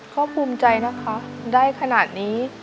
ก็ภูมิใจนะคะได้ขนาดนี้